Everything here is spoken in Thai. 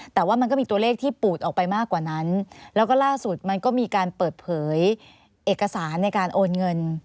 แต่ว่ามันก็มีตัวเลขที่ปูดออกไปมากกว่านั้นแล้วก็ล่าสุดมันก็มีการเปิดเผยเอกสารในการโอนเงิน